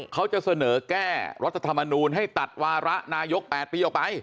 เขาจะเสนอแก้รัฐธรรมนูลให้ตัดวาระนายก๘ปีออกไป